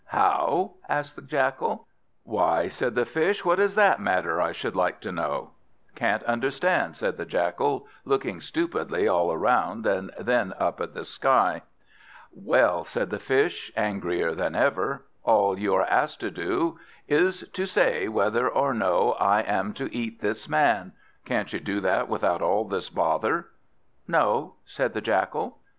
"How?" asked the Jackal. "Why," said the Fish, "what does that matter, I should like to know?" "Can't understand," said the Jackal, looking stupidly all round and then up at the sky. "Well," said the Fish, angrier than ever, "all you are asked to do, is to say whether or no I am to eat this Man. Can't you do that without all this bother?" "No," said the Jackal.